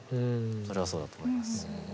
それはそうだと思います。